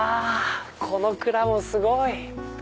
この蔵もすごい。